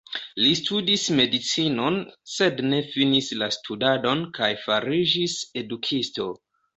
Li studis medicinon, sed ne finis la studadon kaj fariĝis edukisto.